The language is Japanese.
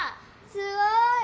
すごい！